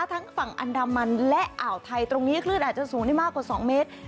ทั้งฝั่งอันดามันและอ่าวไทยตรงนี้คลื่นอาจจะสูงได้มากกว่า๒เมตร